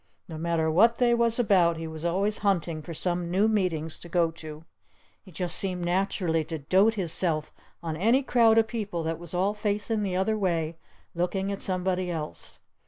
No matter what they was about he was always hunting for some new Meetings to go to! He just seemed naturally to dote hisself on any crowd of people that was all facing the other way looking at somebody else!